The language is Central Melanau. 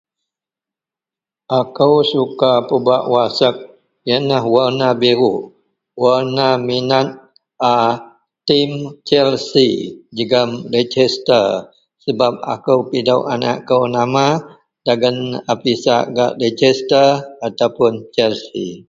Akou suka pebak wasiek iyenlah warna biruok warna minat a tim Chelsea jegem Leichester sebab akou pidok anek kou nama dagen a pisak gak Leichester atau puon Chelsea.